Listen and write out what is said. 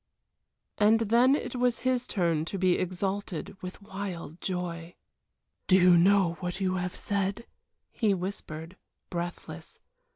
And then it was his turn to be exalted with wild joy. "Do you know what you have said," he whispered, breathless.